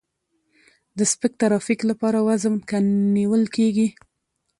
د سپک ترافیک لپاره وزن کم نیول کیږي